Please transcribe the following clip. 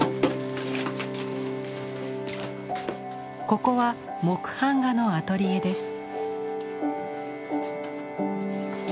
ここは木版画のアトリエです。